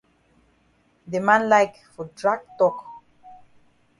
De man like for drag tok.